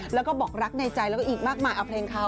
แล้วก็บอกรักในใจแล้วก็อีกมากมายเอาเพลงเขา